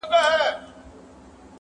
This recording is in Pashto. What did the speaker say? ددې خاوري هزاره ترکمن زما دی،